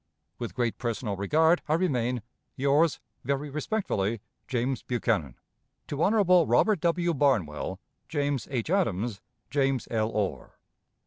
With great personal regard, I remain Yours, very respectfully, JAMES BUCHANAN. To Honorable Robert W. Barnwell, James H. Adams, James L. Orr.